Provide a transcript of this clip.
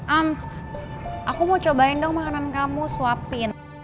am aku mau cobain dong makanan kamu suapin